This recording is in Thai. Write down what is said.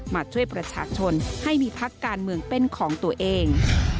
มาช่วยประชาชนให้มีพักการเมืองเป็นของตัวเอง